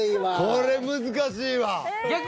これ難しいわええ